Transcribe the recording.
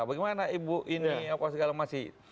bagaimana ibu ini apa segala masih